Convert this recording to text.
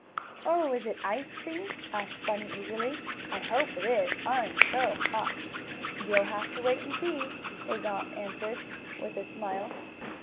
"Oh, is it ice cream?" asked Bunny eagerly. "I hope it is. I'm so hot!" "You'll have to wait and see," his aunt answered, with a smile.